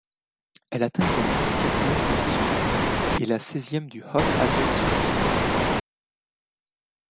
Elle atteint également la quatrième position du et la seizième du Hot Adult Contemporary.